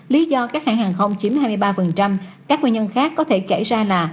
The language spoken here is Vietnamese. lý do các hãng hàng không chiếm hai mươi ba các nguyên nhân khác có thể kể ra là